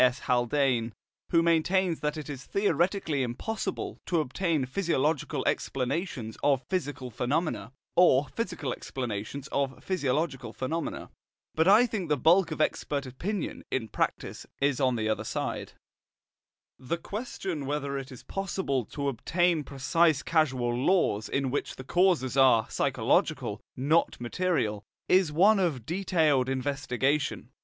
S. Haldane,* who maintains that it is theoretically impossible to obtain physiological explanations of psychical phenomena, or physical explanations of physiological phenomena. But I think the bulk of expert opinion, in practice, is on the other side. *See his book, "The New Physiology and Other Addresses" (Charles Griffin & Co., 1919). The question whether it is possible to obtain precise causal laws in which the causes are psychological, not material, is one of detailed investigation.